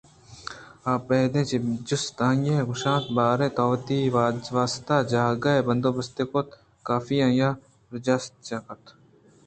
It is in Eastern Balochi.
ابید چہ جست ءَ آئی گوٛشت باریں تو وتی واستہ جاگہے ءِ بندوبست کُت ؟کاف آئی ءَ راجست کُت